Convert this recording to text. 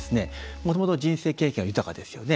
もともと人生経験が豊かですよね。